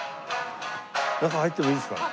中入ってもいいですか？